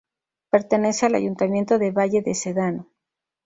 Pertenece al Ayuntamiento de Valle de Sedano.